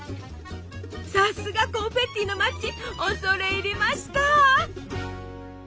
さすがコンフェッティの町恐れ入りました！